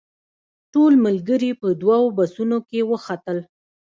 ټول ملګري په دوو بسونو کې وختل.